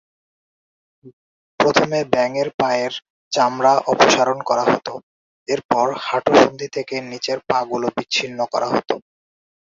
প্রথমে ব্যাঙের পায়ের চামড়া অপসারণ করা হত, এরপর হাঁটু সন্ধি থেকে নিচের পা গুলো বিচ্ছিন্ন করা হত।